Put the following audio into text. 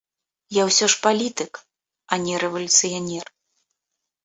Я ўсе ж палітык, а не рэвалюцыянер.